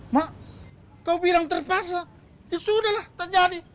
mak kau bilang terpaksa ya sudah lah tak jadi